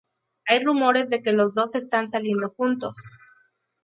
Hay rumores de que los dos están saliendo juntos.